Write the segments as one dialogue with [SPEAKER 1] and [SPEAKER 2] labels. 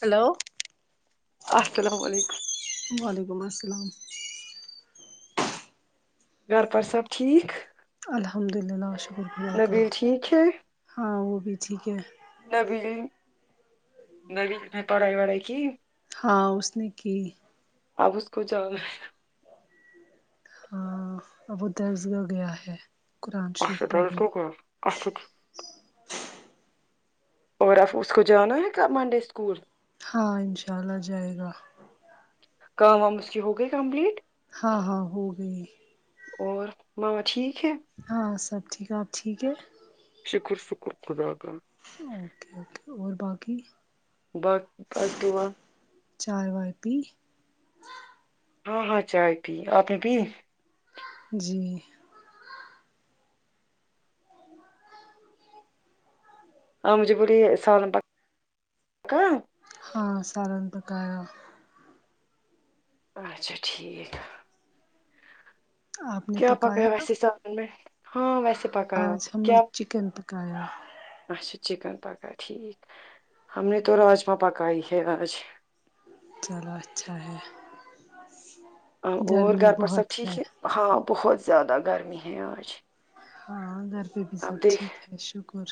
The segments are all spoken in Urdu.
[SPEAKER 1] ہیلو
[SPEAKER 2] ہلو السلام علیکم
[SPEAKER 1] وعلیکم السلام
[SPEAKER 2] گھر پار سب ٹھیک
[SPEAKER 1] الحمد للہ شکر اللہ کا
[SPEAKER 2] نبیل ٹھیک ہے
[SPEAKER 1] ہاں وہ بھی ٹھیک ہے
[SPEAKER 2] نبیل نے میں پڑھائی وڑھائی کی
[SPEAKER 1] ہاں اس نے کی
[SPEAKER 2] اب اس کو جا
[SPEAKER 1] ہاں اب وہ درس گا گیا ہے قرآن شریف
[SPEAKER 2] اچھا ڈر
[SPEAKER 1] پڑھنے
[SPEAKER 2] تو گیا۔ اچھا ٹھیک اور آب اس کو جانا ہے پھر منڈے اسکول
[SPEAKER 1] ہاں انشاء اللہ جائے گا
[SPEAKER 2] کام وام اس کی ہو گئی کمپلیٹ
[SPEAKER 1] ہاں ہاں ہو گئی
[SPEAKER 2] اور ماما ٹھیک ہے
[SPEAKER 1] ہاں وہ سب ٹھیک ہے آپ ٹھیک ہے
[SPEAKER 2] شکر شکر خدا کا
[SPEAKER 1] اوکے اوکے اور باقی
[SPEAKER 2] با بس دعا
[SPEAKER 1] چائے وائی پی
[SPEAKER 2] ہاں ہاں چائے پی آپ نے پی
[SPEAKER 1] جی
[SPEAKER 2] آ مجھے پوری سالن پکاؤں
[SPEAKER 1] ہاں سالن پکایا
[SPEAKER 2] اچھا ٹھیک
[SPEAKER 1] آپ نے
[SPEAKER 2] کیا
[SPEAKER 1] پکایا
[SPEAKER 2] ویسے سالن میں ہاں ویسے پکایا
[SPEAKER 1] آج ہم نے
[SPEAKER 2] کیا
[SPEAKER 1] چکن پکایا
[SPEAKER 2] اچھا چکن پکا ٹھیک ہم نے تو راجما پکائے ہے آج
[SPEAKER 1] چلا اچھا ہے
[SPEAKER 2] اور
[SPEAKER 1] گرمی
[SPEAKER 2] گھر پر سب
[SPEAKER 1] بہت ہے
[SPEAKER 2] ٹھیک ہاں بہت زیادہ گرمی ہے آج
[SPEAKER 1] ہاں گھر پہ بھی
[SPEAKER 2] اب
[SPEAKER 1] سب
[SPEAKER 2] دیکھ
[SPEAKER 1] ٹھیک ہے شکر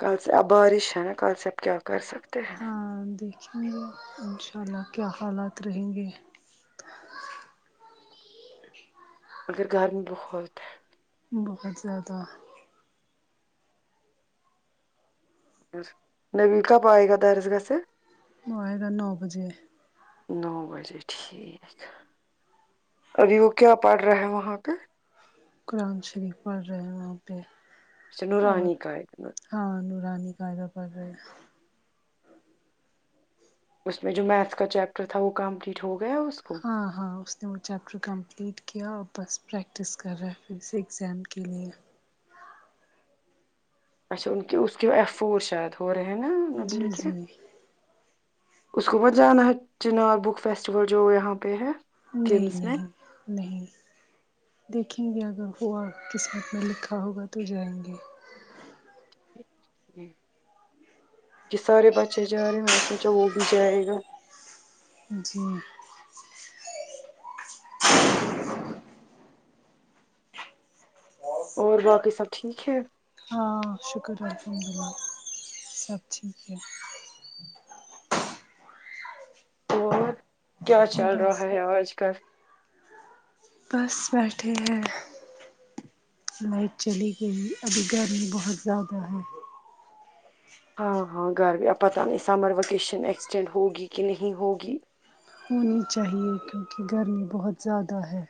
[SPEAKER 2] کل سے آ بارش ہے نا کل س سے اب کیا کر سکتے ہیں
[SPEAKER 1] ہاں دیکھیں گے ان شاء اللہ کیا حالات رہیں گے
[SPEAKER 2] اگر گرم بہت ہے
[SPEAKER 1] بہت زیادہ
[SPEAKER 2] نبیل کب آئے گا درس گا سے
[SPEAKER 1] وہ آئے گا نو بجے
[SPEAKER 2] نو بجے ٹھیک ابھی وہ کیا پڑ رہا ہے وہاں پہ
[SPEAKER 1] قرآن شریف پڑھ رہے ہیں وہاں پہ اور
[SPEAKER 2] نورانی کا ہے،
[SPEAKER 1] ہاں نورانی قاعدہ پڑ رہے
[SPEAKER 2] اس میں جو میتھ کا چیپٹر تھا وہ کمپلیٹ ہو گیا اس کو
[SPEAKER 1] ہاں ہاں اس نے وہ چیپٹر کمپلیٹ کیا اور بس پریکٹس کر رہا ہے پھر سے ایگزام کے لیے
[SPEAKER 2] اچھا ا کے اس کے ایفور شاید ہو رہے ہیں
[SPEAKER 1] جی
[SPEAKER 2] نبیل کے
[SPEAKER 1] جی
[SPEAKER 2] اس کو بس جانا ہے چنار بک فیسٹیول جو یہاں پہ ہے
[SPEAKER 1] نہیں
[SPEAKER 2] کمس میں
[SPEAKER 1] نہیں نہیں دیکھیں گے اگر ہوا قسمت میں لکھا ہوگا تو جائیں گے
[SPEAKER 2] کہ سارے بچے جا رہے ہیں میں نے سوچا وہ بھی جائے گا
[SPEAKER 1] جی
[SPEAKER 2] اور باقی سب ٹھیک ہے
[SPEAKER 1] ہاں شکر الحمد للہ سب ٹھیک ہے
[SPEAKER 2] اور کیا چل
[SPEAKER 1] بس
[SPEAKER 2] رہا ہے اج کل
[SPEAKER 1] بس بیٹھے ہیں لائٹ چلی گئی ابھی گرمی بہت زیادہ ہے
[SPEAKER 2] ہاں ہاں گرمیاں پتا نہیں سمر وکیشن ایکسٹینڈ ہوگی کہ نہیں ہوگی
[SPEAKER 1] ہونی چاہیے کیوکہ گرمی بہت زیادہ ہے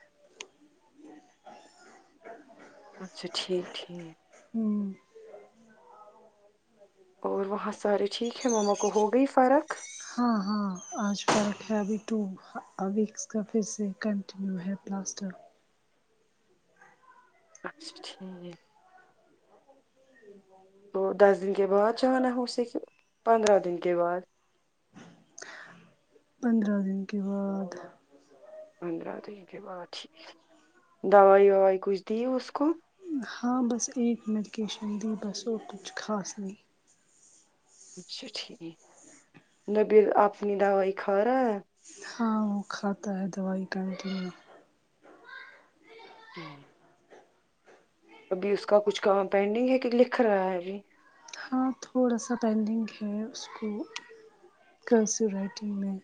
[SPEAKER 2] اچھا ٹھیک ہی ہیں
[SPEAKER 1] ہوں
[SPEAKER 2] اور وہاں سارے ٹھیک ہیں ماما کو ہو گئی فرق
[SPEAKER 1] ہاں ہاں آج فرق ہے ابھی ٹو ہاں اس کا پھر سے کنٹینیو ہے پلاسٹر
[SPEAKER 2] اچھا ٹھیک ہے تو دس دن کے بعد جانا ہے اسے کہ پندرہ دن کے بعد
[SPEAKER 1] پندرہ دن کے بعد
[SPEAKER 2] پندرہ دن کے بعد ٹھیک ہے دوائی ووائی کچھ دی اس کو
[SPEAKER 1] ہاں بس ایک میڈکیشن دی بس اور کچھ خاص نہیں
[SPEAKER 2] اچھا ٹھیک نبیل اپنی دوائی کھارہا ہے
[SPEAKER 1] ہاں وہ کھاتا ہے دوائی کنٹینیو
[SPEAKER 2] جی ابھی اس کا کچھ کم پینڈنگ ہے کہ لکھ رہا ہے ابھی
[SPEAKER 1] ہاں تھوڑا سا پینڈنگ ہے اس کو کرسیو رائٹنگ میں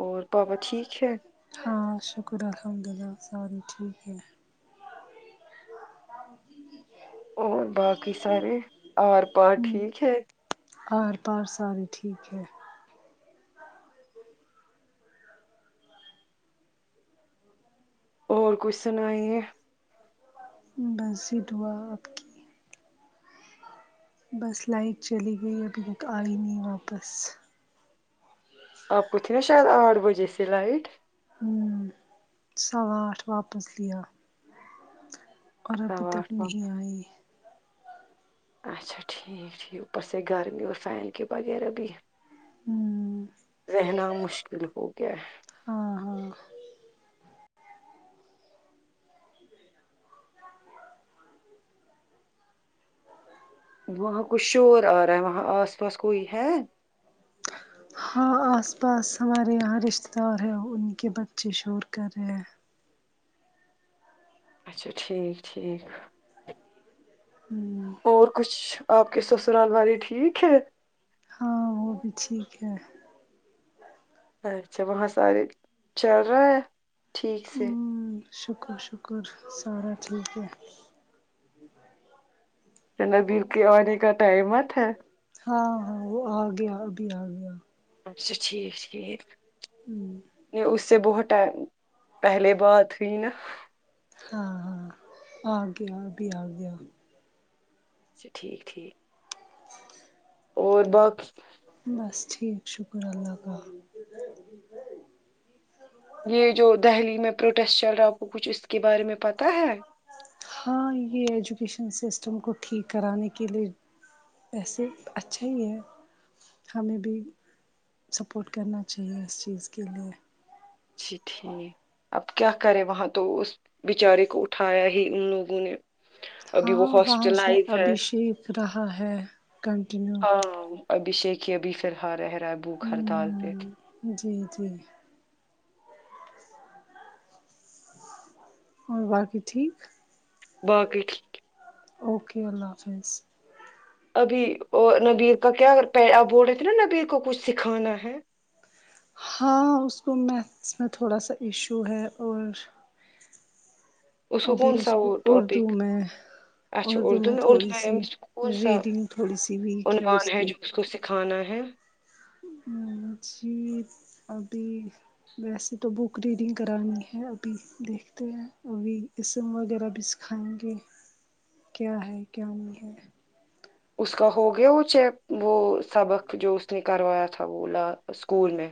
[SPEAKER 2] اور پاپا ٹھیک ہے
[SPEAKER 1] ہاں شکر الحمداللہ سارے ٹھیک ہے
[SPEAKER 2] اور باقی سارے آر پار
[SPEAKER 1] ہوں
[SPEAKER 2] ٹھیک ہے
[SPEAKER 1] ار پار سارے ٹھیک ہے
[SPEAKER 2] اور کچھ سنائیے
[SPEAKER 1] بس سٹ ہوا اپ کی بس لائٹ چلی گئی ابھی تک ائی نہیں واپس
[SPEAKER 2] اپ کو تھی نا شاید اٹھ بجے سے لائٹ
[SPEAKER 1] ہاں سواٹھ واپس لیا اور ابھی
[SPEAKER 2] سوا
[SPEAKER 1] تک
[SPEAKER 2] آٹھ واپ،
[SPEAKER 1] نہیں ائی
[SPEAKER 2] اچا ٹھیک ہی اوپر سے گرمی اور فین کی بقیر ابھی
[SPEAKER 1] ہوں
[SPEAKER 2] رہنا مشکل ہو گیا ہے
[SPEAKER 1] ہاں ہاں
[SPEAKER 2] وہاں کچھ شور ا رہا ہے وہاں اس پاس کوئی ہے
[SPEAKER 1] اس پاس ہمارے یہاں رشتے دار ہیں ان کے بچے شور کر رہے ہیں
[SPEAKER 2] اچھا ٹھیک ٹھیک
[SPEAKER 1] ہوں
[SPEAKER 2] اور کچھ آپ کے سسرال والے ٹھیک ہے
[SPEAKER 1] ہاں وہ بھی ٹھیک ہے
[SPEAKER 2] اچھا وہاں سارے چل رہا ہے ٹھیک سے
[SPEAKER 1] ہوں شکر شکر سارا ٹھیک ہے
[SPEAKER 2] نبل کے آنے کا ٹائمت ہے
[SPEAKER 1] ہاں ہاں وہ آ گیا ابھی آ گیا
[SPEAKER 2] اچھا ٹھیک ٹھیک
[SPEAKER 1] ہمم
[SPEAKER 2] یہ اس سے بہت ٹائم پہلے بات ہوئی نا
[SPEAKER 1] ہاں ہاں آ گیا آبھی آ گیا
[SPEAKER 2] اچھا ٹھیک ٹھیک اور باقی
[SPEAKER 1] بس ٹھیک شکر اللہ تعالی
[SPEAKER 2] یہ جو دہلی میں پروٹیسٹ چل رہاوں کو کچھ اس کے بارے میں پتہ ہے
[SPEAKER 1] ہاں یہ ایجوکیشن سسٹم کو ٹھیک کرانے کے لیے ویسے اچھا ہی ہے ہمیں بھی سپورٹ کرنا چاہیے اس چیز کے لیے
[SPEAKER 2] اچھا ٹھیک اب کیا کرے وہاں تو اس بچارے کو اٹھایا ہی ان لوگوں نے ابھی وہ
[SPEAKER 1] ہاں وہاں سے
[SPEAKER 2] ہاسٹلائز ہے
[SPEAKER 1] ابھیشیک رہا ہے کنٹینیو
[SPEAKER 2] ہاں ابھیشیک ہی ابھی فالحل رہ رہا ہے بھک ہڑتال پہ
[SPEAKER 1] ہ جی جی اور باقی ٹھیک
[SPEAKER 2] باقی
[SPEAKER 1] اوکے اللہ حافظ
[SPEAKER 2] ابھی اور نبیر کا کیا بول رہے تھے نا نبیر کو کچھ سکھانا ہے
[SPEAKER 1] ہاں اس کو میتھس میں تھوڑا سا ایشو ہے اور
[SPEAKER 2] اس کو کون
[SPEAKER 1] ابھی
[SPEAKER 2] سا
[SPEAKER 1] کو
[SPEAKER 2] وہ
[SPEAKER 1] اردو
[SPEAKER 2] ٹاپک
[SPEAKER 1] میں
[SPEAKER 2] اچھا اردو میں اردو میں آم کوول سا
[SPEAKER 1] ریڈنگ تھوڑی سی ویک
[SPEAKER 2] عنوان
[SPEAKER 1] اس
[SPEAKER 2] ہے جو ا کو کھانا ہے
[SPEAKER 1] ہمم جی ابھی ویسے تو بک ریڈنگ کرانی ہے ابھی دیکھتے ہیں ابھی قسم وغیرہ بھی سکھائیں گے کیا ہے کیا نہیں ہے
[SPEAKER 2] اس کا ہو گیا وہ چیک وہ سبق جو اس نے کروایا تھا وہ لا اسکول میں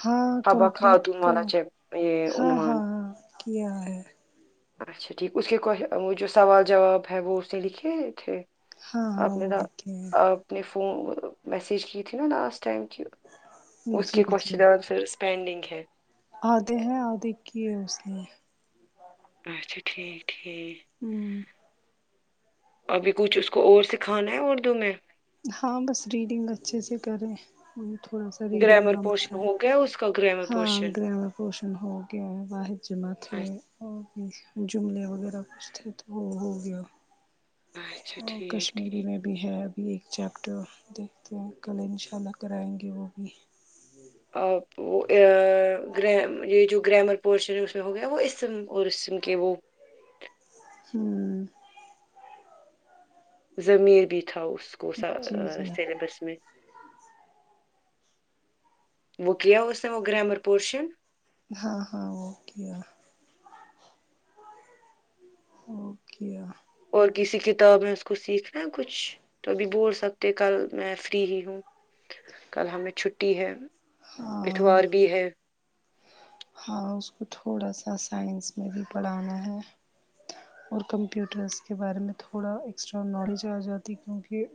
[SPEAKER 1] ہاں
[SPEAKER 2] حبا
[SPEAKER 1] کمپلیٹ
[SPEAKER 2] خاتون
[SPEAKER 1] کا
[SPEAKER 2] والا چیک یہ
[SPEAKER 1] ہاں
[SPEAKER 2] عنوان
[SPEAKER 1] ہاں ہاں کیا ہے
[SPEAKER 2] اچھا ٹھیک اس کے کو وہ جو سوال جواب ہے وہ اس نے لکھے تھے
[SPEAKER 1] ہاں
[SPEAKER 2] آپ
[SPEAKER 1] ہاں
[SPEAKER 2] نے
[SPEAKER 1] وہ
[SPEAKER 2] نا
[SPEAKER 1] لکھے ہیں
[SPEAKER 2] آپ نے فون میسیج کی تھی نا لاسٹ ٹائم کی اس کی
[SPEAKER 1] جی جی
[SPEAKER 2] کوشن آنسرس پینڈنگ ہے
[SPEAKER 1] آدھے ہیں آدھے کیے اس نے
[SPEAKER 2] اچھا ٹھیک ٹھیک
[SPEAKER 1] ہمم
[SPEAKER 2] ابھی کچھ اس کو اور سکھانا ہے اردو میں
[SPEAKER 1] ہاں بس ریڈنگ اچھے سے کریں تھوڑا سا ریڈنگ
[SPEAKER 2] گرامر
[SPEAKER 1] کا
[SPEAKER 2] پورشن
[SPEAKER 1] مسلا ہے
[SPEAKER 2] ہو گیا اس کا گرامر
[SPEAKER 1] ہاں
[SPEAKER 2] پورشن
[SPEAKER 1] گرہن پوشن ہو گیا ہے واحد جمع کے اور بھی جملے وغیرہ کچھ تھے تو وہ ہو گیا
[SPEAKER 2] اچھا
[SPEAKER 1] اور
[SPEAKER 2] ٹھیک
[SPEAKER 1] کشمیری میں
[SPEAKER 2] ٹھیک
[SPEAKER 1] بھی ہے ابھی ایک چپٹر دیکھتے ہیں کل ان شاء اللہ کرائیں گے وہ بھی
[SPEAKER 2] یہ جو گرامر پورشن ہے ہو گیا وہ اسم اور اسم کے وہ
[SPEAKER 1] ہوں
[SPEAKER 2] ضمیر بھی تھاؤ اس کو سا
[SPEAKER 1] جی جی
[SPEAKER 2] سیلبس میں وہ کیا اس نے وہ گریامر پورشن
[SPEAKER 1] ہاں ہاں وہ کیا اوکیہ
[SPEAKER 2] اور کسی کتاب میں اس کو سیکھنا ہے کچھ تو ابھی بول سکتے کل میں فری ہی ہوں کل ہمیں چھٹی ہے
[SPEAKER 1] ہاں
[SPEAKER 2] اتوار بھی ہے
[SPEAKER 1] ہاں اس کو تھوڑا سا سائنس میں بھی پڑھانا ہے اور کمپیوٹرس کے بارے میں تھوڑا ایکسٹرا نالج آجاتی کیونکہ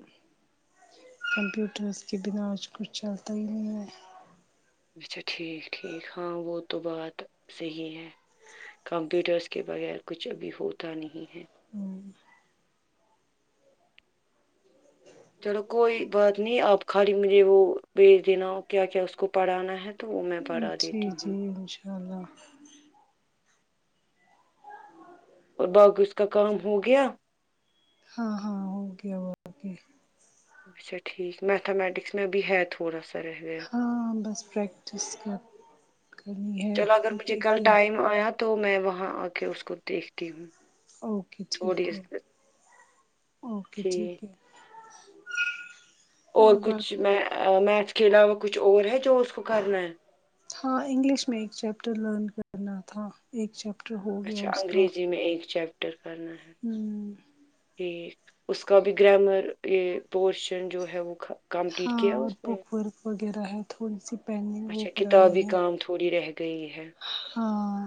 [SPEAKER 1] کمپیوٹرس کے بنا آج کچھ چلتا ہی نہیں ہے
[SPEAKER 2] اچھا ٹھیک ٹھیک ہاں وہ تو بات صحیح ہے کمپیوٹرس کے بغیر کچھ ابھی ہوتا نہیں ہے
[SPEAKER 1] ہوں
[SPEAKER 2] چلو کوئی بات نہیں آپ خالی مجھے وہ بھیج دینا کیا کیا اس کو پڑھانا ہے تو وہ میں پڑھا
[SPEAKER 1] جی
[SPEAKER 2] دیتی ہوں
[SPEAKER 1] جی ان شاء اللہ
[SPEAKER 2] اور باقی اس کا کام ہو گیا
[SPEAKER 1] ہاں ہاں ہو گیا اوکے
[SPEAKER 2] اچا ٹھیک میتھامیٹکس میں بھی ہے تھوڑا سا رہ گیا
[SPEAKER 1] ہاں بس پریکٹس کر کرنی ہے
[SPEAKER 2] چلو اگر
[SPEAKER 1] کیکہ
[SPEAKER 2] مجھے
[SPEAKER 1] ایک
[SPEAKER 2] کل ٹائم آیا تو میں وہاں آ کے اس کو دیکھتی ہوں
[SPEAKER 1] اوکے ٹھیک
[SPEAKER 2] تھوڑی
[SPEAKER 1] ہے
[SPEAKER 2] اس-
[SPEAKER 1] اوکے
[SPEAKER 2] جی
[SPEAKER 1] ٹھیک ہے
[SPEAKER 2] اور کچھ میتھس کے علاوہ کچھ اور ہے جو اس کو کرنا ہے
[SPEAKER 1] ہاں انگلش میں ایک چیپٹر لرن کرنا تھا ایک چیپٹر ہو گیا
[SPEAKER 2] اچھا
[SPEAKER 1] اس کا
[SPEAKER 2] انگریزی میں ایک چیپٹر فکر کرنا ہے
[SPEAKER 1] ہوں
[SPEAKER 2] جی اس کا بھی گرامر یہ پورشن جو ہے وہ کمپلیٹ
[SPEAKER 1] ہاں
[SPEAKER 2] کیا
[SPEAKER 1] اور
[SPEAKER 2] اس نے
[SPEAKER 1] بک ورک وغیرہ ہے تھوڑی سی پینڈنگ وہ
[SPEAKER 2] اچھا
[SPEAKER 1] کرانی
[SPEAKER 2] کتابی
[SPEAKER 1] ہے
[SPEAKER 2] کام تھوڑی رہ گئی ہے
[SPEAKER 1] ہاں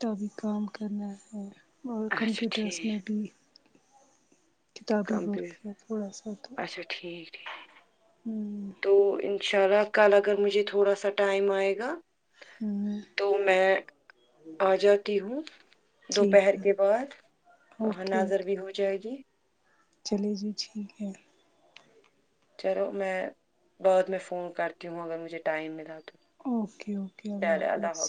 [SPEAKER 1] کا بھی کام کرنا ہے اور
[SPEAKER 2] اچھا
[SPEAKER 1] کمپیوٹرس
[SPEAKER 2] ٹھیک
[SPEAKER 1] میں بھی کتابی ورک
[SPEAKER 2] کمپیوٹر
[SPEAKER 1] ہے تھوڑا سا تو
[SPEAKER 2] اچھا ٹھیک ٹھیک
[SPEAKER 1] ہوں
[SPEAKER 2] تو ان شاء اللہ کل اگر مجھے تھوڑا سا ٹائم آئے گا
[SPEAKER 1] ہم
[SPEAKER 2] تو میں آ جاتی ہوں دوپہر
[SPEAKER 1] ٹھیک ہے
[SPEAKER 2] کے بعد وہاں
[SPEAKER 1] اوکے
[SPEAKER 2] نظر
[SPEAKER 1] اوکے
[SPEAKER 2] بھی ہو جائے گی
[SPEAKER 1] چلے جی ٹھیک ہے
[SPEAKER 2] چلو میں بعد میں فون کرتی ہوں اگر مجھے ٹائم ملا تو
[SPEAKER 1] اوکے اوکے اللہ حافظ